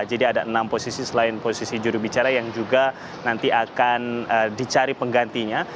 jadi ada enam posisi selain posisi jurubicara yang juga nanti akan dicari penggantinya